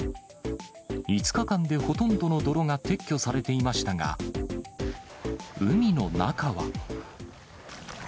５日間でほとんどの泥が撤去されていましたが、海の中は。